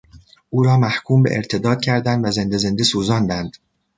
او را محکوم به ارتداد کردند و زنده زنده سوزاندند.